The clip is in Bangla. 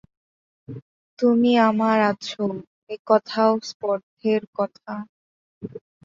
তুমি আমার আছ, এ কথাও স্পর্ধার কথা।